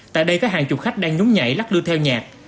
tại đây có hàng chục khách đang nhúng nhảy lắc lư theo nhạc